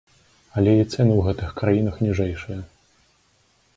Але і цэны ў гэтых краінах ніжэйшыя.